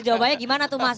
jawabannya gimana tuh mas